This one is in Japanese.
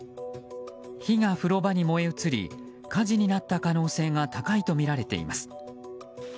火が風呂場に燃え移り火事になった可能性が高いとみられています。